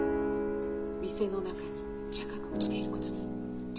店の中にチャカが落ちていることに。